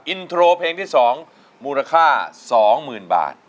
อินโทรเพลงที่๒มูลค่า๒๐๐๐บาท